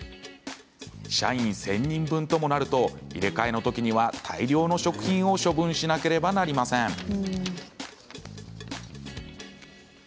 社員１０００人分ともなると入れ替えのときには大量の食品を処分しなければなりません。